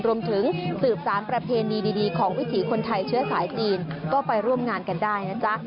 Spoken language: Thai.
รวมถึงสืบสารประเพณีดีของวิถีคนไทยเชื้อสายจีนก็ไปร่วมงานกันได้นะจ๊ะ